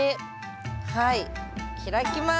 はい開きます。